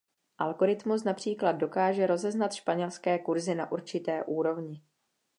Algoritmus například dokáže rozeznat španělské kurzy na určité úrovni.